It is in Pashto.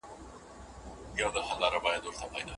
آیا فشار د شکري تر ناروغۍ ناڅاپي دی؟